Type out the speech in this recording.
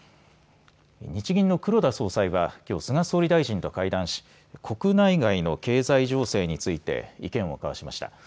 日銀の黒田総裁はきょう菅総理大臣と会談し国内外の経済情勢について意見を交わしました。